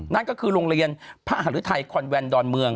นั่นก็คือโรงเรียนพระหารุทัยคอนแวนดอนเมือง